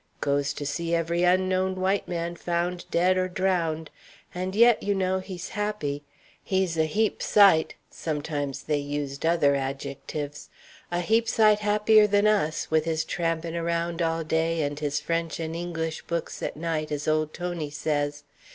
"Goes to see every unknown white man found dead or drowned. And yet, you know, he's happy. He's a heap sight" sometimes they used other adjectives "a heap sight happier than us, with his trampin' around all day and his French and English books at night, as old Tony says.